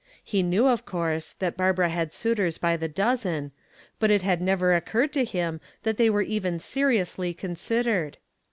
He knew, of course, that Barbara had suitors by the dozen, but it had never occurred to him that they were even seriously considered.